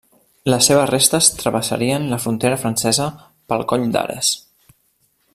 Les seves restes travessarien la frontera francesa pel Coll d'Ares.